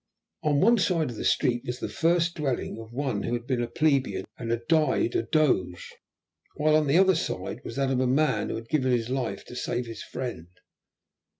On one side of the street was the first dwelling of one who had been a plebeian and had died a Doge; while on the other side was that of a man who had given his life to save his friend.